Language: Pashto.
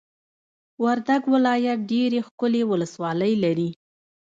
وردګ ولایت ډېرې ښکلې ولسوالۍ لري!